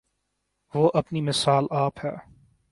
وہ اپنی مثال آپ ہے۔